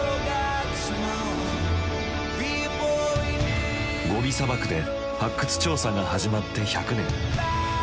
ゴビ砂漠で発掘調査が始まって１００年。